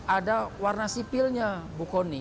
ada warna sipilnya bu kony